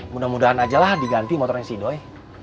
mudah mudahan ajalah diganti motornya si idoi